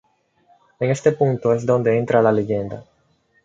En este punto es donde entra la leyenda.